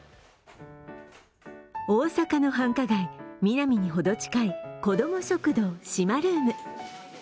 大阪の繁華街ミナミに程近いこども食堂、しまルーム。